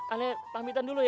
aneh pamitan dulu ya